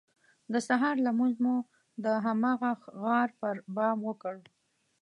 د سهار لمونځ مو د هماغه غار پر بام وکړ.